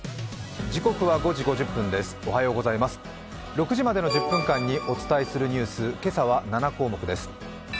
６時までの１０分間にお伝えしたいニュース、今朝は７項目です。